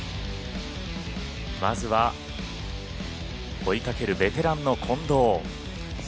まずは追いかけるベテランの近藤。